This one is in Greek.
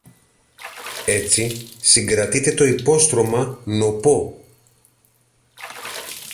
Έτσι, συγκρατείται το υπόστρωμα νωπό.